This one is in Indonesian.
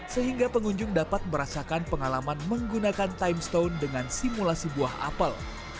sehingga pengunjung dapat merasakan pengalaman menggunakan times stone dengan simulasi buah apel